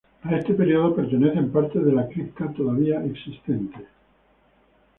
A este período pertenecen partes de la cripta todavía existente.